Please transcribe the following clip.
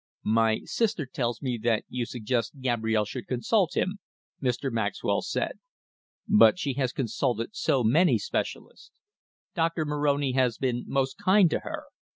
"My sister tells me that you suggest Gabrielle should consult him," Mr. Maxwell said. "But she has consulted so many specialists. Doctor Moroni has been most kind to her.